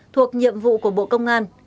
thuộc nhiệm vụ của bộ công an